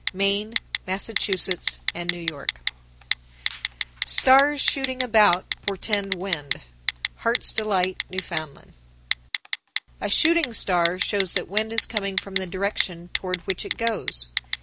Maine, Massachusetts, and New York. 1071. Stars shooting about portend wind. Heart's Delight, N.F. 1072. A shooting star shows that wind is coming from the direction toward which it goes.